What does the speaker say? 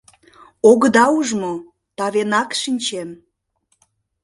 — Огыда уж мо, тавенак шинчем...